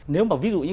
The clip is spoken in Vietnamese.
nếu mà ví dụ như